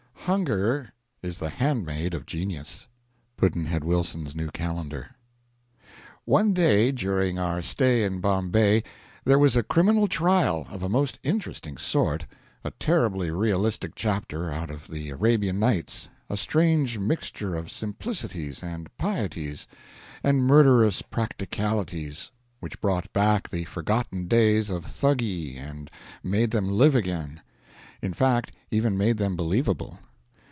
Hunger is the handmaid of genius Pudd'nhead Wilson's New Calendar. One day during our stay in Bombay there was a criminal trial of a most interesting sort, a terribly realistic chapter out of the "Arabian Nights," a strange mixture of simplicities and pieties and murderous practicalities, which brought back the forgotten days of Thuggee and made them live again; in fact, even made them believable.